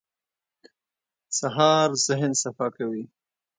سهار د ذهن صفا کوي.